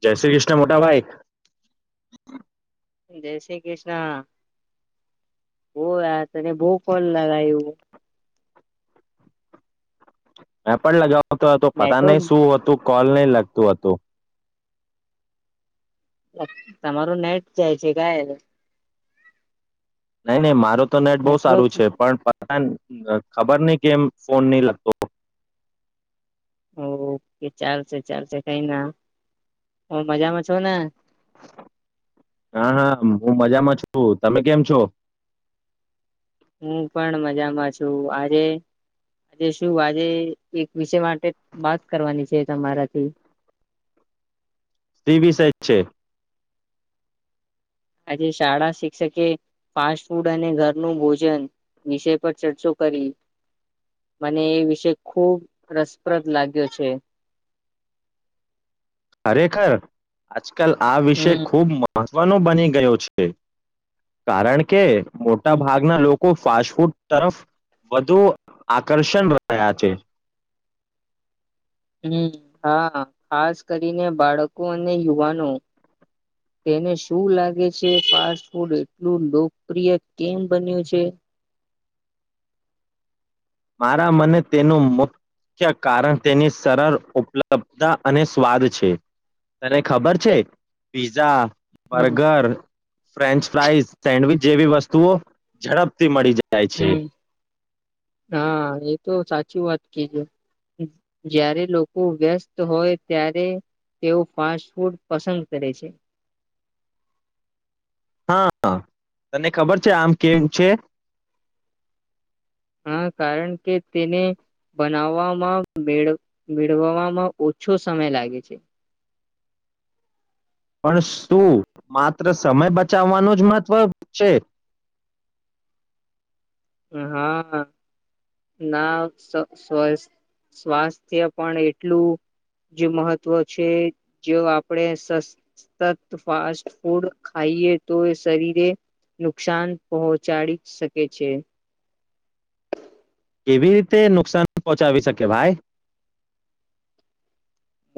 જય શ્રી કૃષ્ણ મોટા ભાઈ જય શ્રી કૃષ્ણ બઉ વાર કરી બઉ ફોન લગાયુ હા પણ લગાવ તો તો પતા નહી શું નેટવર્ક હતું કોલ નહી લગતું હતું તમારું નેટ જાય છે કાઈ નહી નહી મારો તો નેટ બહુ નેટવર્ક સારું છે પણ પ ણ ખબર નઈ કેમ ફોન નહી લગતો ઓકે ચાલશે ચાલશે કઈના હુ મજામાં છુંને હા હા હું મજામાં છું. તમે કેમ છો? હું પણ મજામાં છું. આજે શું આજે એક વિષય માટે વાત કરવાની છે તમારાથી સી વિષય છે? આજે શાળા શિક્ષકે ફાસ્ટ ફૂડ અને ઘરનું ભોજન વિષય પર ચર્ચો કરી, મને એ વિષય ખૂબ રસપ્રદ લાગ્યો છે. ખરેખર આજ કલ આ વિષય હમ ખુબ મઅ ગણું બની ગયો છે. કારણ કે હમ મોટા ભાગના લો કો ફાસ્ટફૂડ તરફ વધુ આકર્ષણ રહ્યા છે. હમ્મ હા ખાસ કરીને બાળકો, અને યુવાનો, તેને શું લાગે છે? ફાસ્ટ ફૂડ એટલું લોકપ્રિય કેમ બન્યું છે મારા મને તેનું મુખ્ય કારણ તેની સરળ ઉપલબ્તા અને સ્વાદ છે. તને ખબર છે, પીઝા હમ બર્ગર, ફ્રેન્ચ ફ્રાઈઝ, સેન્ડવિચ જેવી વસ્તુઓ ઝડપથી મળી જાય જાય છે. હમ હા એ તો સાચી વાત કીધુ. જ્યારે લોકો વ્યસ્ત હોય ત્યારે તેઓ ફાસ્ટફૂડ પસંદ કરે છે. હા હ તને ખબર છે, આમ કેમ છે હા કારણ કે તેને બનાવવામાં, મેળ મેળવવામાં ઓછો સમય લાગે છે. પણ શું માત્ર સમય બચાવવાનું જ મહત્વ છે. અહા ના સ્ સ સ્વાસ્થ્ય પણ એટલું જ મહત્વ છે. જો આપણે સસતત ફાસ્ટફૂડ ખાઈએ તો એ શરીરે નુકસાન પહોંચાડી શકે છે. કેવી રીતે નુકસાન પહોચાવી શકે ભાઈ?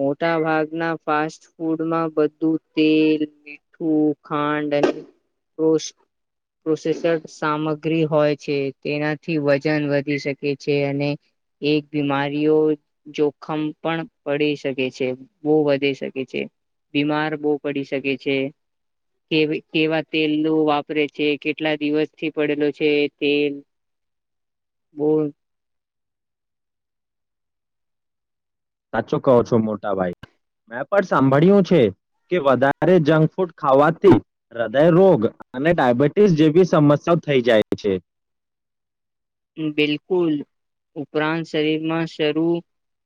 મોટા ભાગના ફાસ્ટફૂડમાં બધું તેલ, મીઠું, ખાંડ અને પ્રોસ પ્રોસેસડ સામગ્રી હોય છે. તેનાથી વજન વધી શકે છે. અને એક બીમારીઓ, જોખમ પણ પડી શકે છે. બઉ વધી શકે છે. બીમાર બઉ પડી શકે છે. કેવી કેવા તેલ નુ વાપરે છે. કેટલા દિવસથી પડેલો છે તેલ. બઉ સાચો કહો છો મોટાભાઈ. મેં પણ સાંભળ્યું છે કે વધારે જંક ફૂડ ખાવાથી હૃદય રોગ અને ડાયાબિટીસ જેવી સમસ્યા થઈ જાય છે. બિલકુલ ઉપરાંત શરીરમાં શરૂ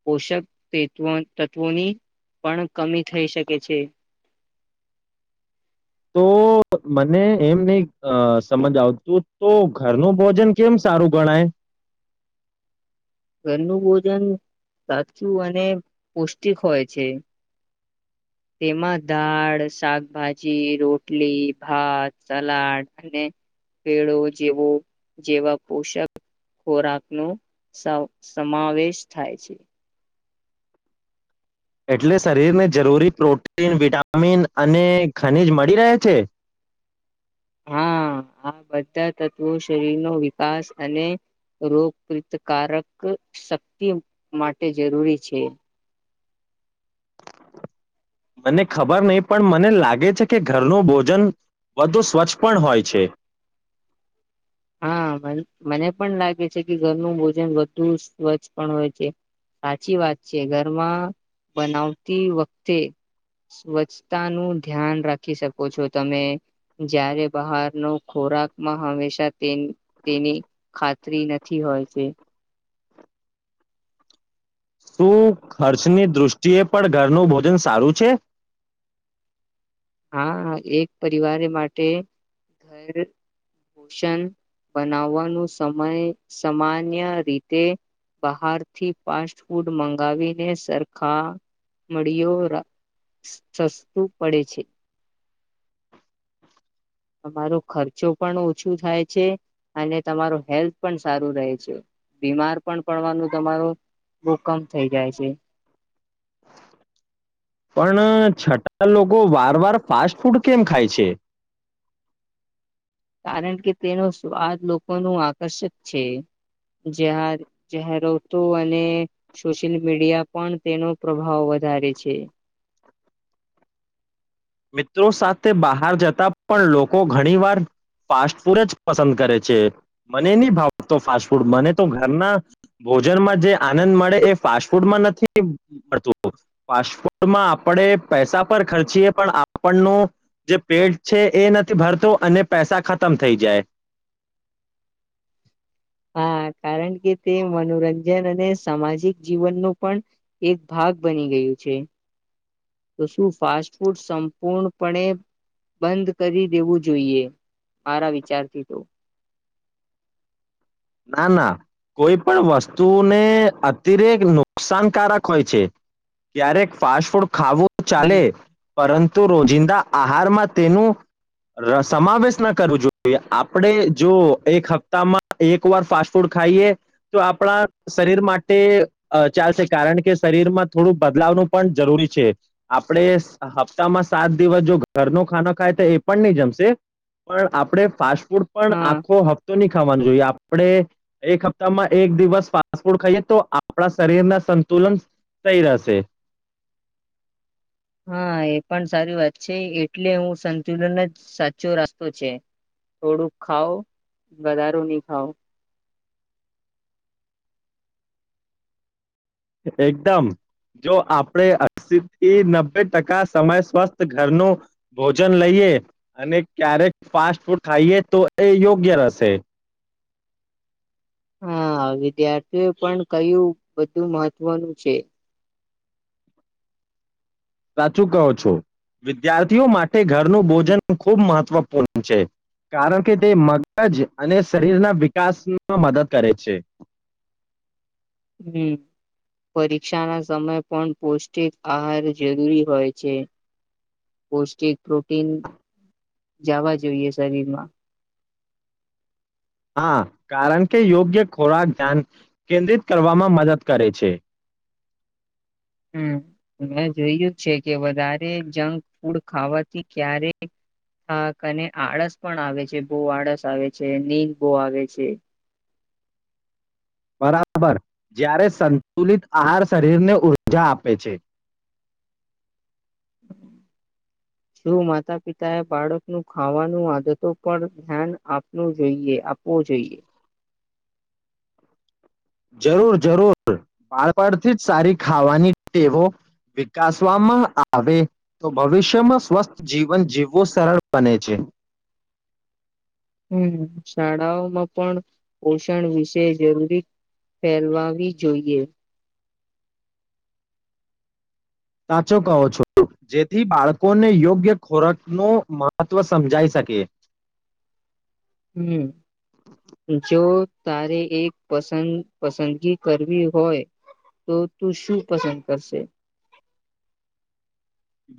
પોષક તેત્વ તત્વોની પણ કમી થઈ શકે છે. તો મને એમ નહી અ સમજ આવતું તો ઘરનું ભોજન કેમ સારું ગણાય? ઘરનું ભોજન સાચું અને પૌષ્ટિક હોય છે. તેમાં દાળ, શાકભાજી, રોટલી, ભાત, સલાડ અને પેળો જેવો જેવા પોષક ખોરાકનો સવ સમાવેશ થાય છે. એટલે શરીરને જરૂરી પ્રોટીન, વિટામિન અને ખનીજ મળી રહે છે? હા આ બધા તત્વો શરીરનો વિકાસ અને રોગપ્રતિકારક શક્તિ માટે જરૂરી છે. મને ખબર નહી પણ મને લાગે છે કે, ઘરનું ભોજન વધુ સ્વચ્છ પણ હોય છે. હા ભાઇ. મન મને પણ લાગે છે કે ઘરનું ભોજન વધુ સ્વચ્છ પણ હોય છે. સાચી વાત છે. ઘરમાં બનાવતી વખતે સ્વચ્છતાનું ધ્યાન રાખી શકો છો તમે. જ્યારે બહારનો ખોરાકમાં હંમેશા તેન તેની ખાતરી નથી હોતી. શું ખર્ચની દૃષ્ટિએ પણ ઘરનું ભોજન સારું છે? હા એક પરિવારે માટે ઘર ષણ બનાવવાનું સમય સામાન્ય રીતે બહારથી ફાસ્ટ ફૂડ મંગાવીને સરખા મળ્યો રાસ સસ્તું પડે છે. તમારો ખર્ચો પણ ઓછું થાય છે. અને તમાર હેલ્થ પણ સારું રહે છે. બીમાર પણ પડવાનું તમારો ભુકમ થઈ જાય છે. પણ છતાં લોકો વાર વાર ફાસ્ટ ફૂડ કેમ ખાય છે? કારણ કે તેનો સ્વાદ લોકોનું આકર્ષક છે. જ્યાં જાહેરાતો અને સોશિયલ મીડિયા પણ તેનો પ્રભાવ વધારે છે. મિત્રો સાથે બહાર જતા પણ લોકો ઘણી વાર ફાસ્ટ ફૂડ જ પસંદ કરે છે. મને ની ભાવ તો ફાસ્ટ ફૂડ મને તો ઘરના ભોજનમાં જે આનંદ મળે એ ફાસ્ટ ફૂડમાં નથી મળતું. ફાસ્ટફૂડમાં આપણે પૈસા પર ખર્ચીએ આપણનું જે પેટ છે, એ નથી ભરતો અને પૈસા ખતમ થઈ જાય. હા કારણ કે તે મનોરંજન અને સામાજિક જીવનનો પણ એક ભાગ બની ગયું છે, તો શું ફાસ્ટ ફૂડ સંપૂર્ણપણે બંધ કરી દેવું જોઈએ મારા વિચારથી તો. ના ના કોઈ પણ વસ્તુને અતિરેક નુકસાનકારક હોય છે, ક્યારેક ફાસ્ટ ફૂડ ખાવું હમ ચાલે પરંતુ રોજિંદા આહારમાં તેનું સમાવેશ ના કરવું જોઈએ આપણે જો એક હપ્તામાં એક વાર ફાસ્ટ ફૂડ ખાઈએ તો આપણા શરીર માટે ચાલશે કારણ કે શરીરમાં થોડું બદલાવનું પણ જરૂરી, છે આપણે હપ્તામાં સાત દિવસ જો ઘરનો ખાનો ખાય તો એ પણ નહી જમશે પણ આપણે ફાસ્ટડ હા આખો હપ્તો [unintelligible] આપણે એક હપ્તામાં એક દિવસ ફાસ્ટ ફૂડ ખાઈએ તો આપણા શરીર ના સંતુલન સહી રહેશે. હા એ પણ સારી વાત છે, એટલે હું સંતુલન જ સાચો રાસ્તો છે, થોડુંક ખઉ વધારો નહી ખાવ. એકદમ જો આપણે અસી થી નબ્બે ટકા સમય સ્વસ્થ ઘરનું ભોજન લઈએ, અનેક્યારેક ફાસ્ટ ફૂડ ખાઈએ તો એ યોગ્ય રહેશે. હા વિદ્યાર્થી એ પણ કયું બધું મહત્વનું છે. સાચું કહો છો વિદ્યાર્થીઓ માટે. ઘરનું હમ ભોજન ખુબ મહત્વ છે કારણ કે તે મગજ અને શરીરના વિકાસમાં મદદ કરે છે. હમ પરીક્ષા ના સમયે પણ પૌષ્ટિક આહાર જરૂરી હોય છે, પૌષ્ટિક પ્રોટીન જવા જોઈએ શરીરમાં. હા કારણ કે યોગ્ય ખોરાક ધ્યાન કેન્દ્રિત કરવામાં મદદ કરે છે. હમ મેં જોયું જ છે કે વધારે જંક ફૂડ ખાવાથી ક્યારેાકને આળસ પણ આવે છે, બહુ આળસ આવે છે નીંદ બહ આવે છે. બરાબર જ્યારે સંતુલિત આહાર શરીરને ઉઊર્જા આપે છે. જો માતા પિતાએ બાળકનું ખાવાનું આદતો પર ધ્યાન આપવું જોઈએ આપવું જોઈએ. જરૂર જરૂર બાળપણથી જ સારી ખાવાની ટેવો વિકસવામાં આવે, તો ભવિષ્યમાં સ્વસ્થ જીવન જીવવું સરળ બને છે. હમ શાળાઓમાં પણ પોષણ વિશે જરૂરી ફેલવાવી જોઈએ. સાચો કહો છો, જેથી બાળકોને યોગ્ય ખોરાકનું મહત્વ સમજાઈ શકે. હમ જો તારે એક પસંદ પસંદગી કરવી, હોય તો તું શું પસંદ કરશે,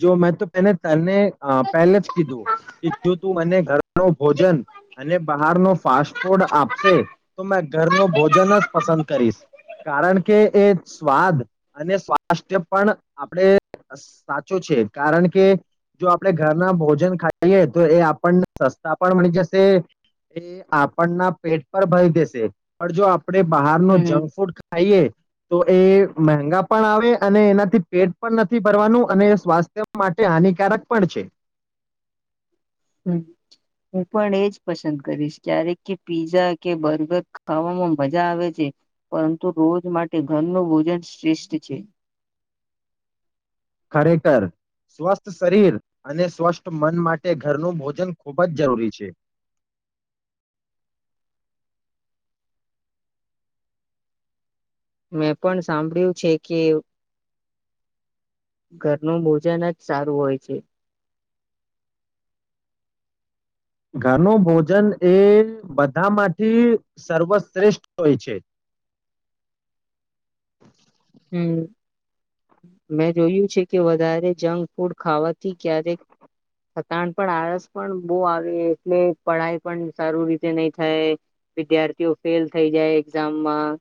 જો મેં તો પહેલા તરને અ પહેલે જ કીધું કે જો તું મને ઘર ન ભોજન અને બહાર ન ફાસ્ટ ફૂડ આપશે તો મે ઘરનું ભોજન જ પસંદ કરીશ, કારણ કે એ સ્વાદ અને સ્વાસ્થ્ય પણ આપણે છે કારણ કે જો આપણે ઘરના ભોજન ખાઈએ તો, એ આપણને સસ્તા પણ મળી જશે એ આપણના પેટ પર ભરી દેશે પણ જો આપે બહાર ન હમ જંક ફૂડ ખાઈએ તો એ મંગા પણ આવે અને એનાથી પેટ પણ નથી ભરવાનું અને સ્વાસ્થ્ય માટે હાનિકારક પણ છે. હમ હું પણ એજ પસંદ કરીશ જ્યારેક કે પીઝા કે બર્ગર ખાવામાં મજા આવે છે, પરંતુ રોજ માટે ઘરનું ભોજન શ્રેષ્ઠ છે. સ્વસ્થ શરીર અને સ્વસ્થ મન માટે ઘરનું ભોજન ખૂબ જ જરૂરી છે. મેં પણ સાંભળ્યું છે, કે ઘરનું ભોજન જ સારું હોય છે. ઘરનું ભોજન એ બધામાંથી સર્વશ્રેષ્ઠ હોય છે હમ મેં જોયું છે કે વધારે જંક ફૂડ ખાવાથી ક્યારેકતાણ પણ આળસ પણ બહુ આવે એટલે પઢાઈ પણ સારું રીતે નહી થાય વિદ્યાર્થીઓ ફેલ થઈ જાય એક્ઝામમાં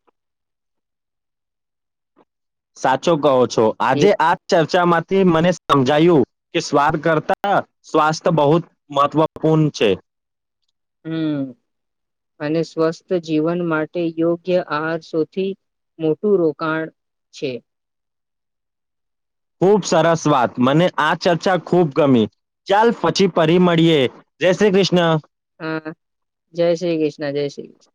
સાચો ગહો છે એ આજે આ ચર્ચા માંથી મને સમજાયું કે સ્વાદ કરતા સ્વાસ્થ્ય બહુત મહત્વપૂર્ણ છે હમ અને સ્વસ્થ જીવન માટે યોગ્ય આ સૌથી મોટું રોકાણ છે ખુબ સરસ વાત મને આ ચર્ચા ખુબ ગમી ચાલ પછી ફરી મળીએ જય શ્રી કૃષ્ણ હા જય શ્રી કૃષ્ણ જય શ્રી કૃષ્ણ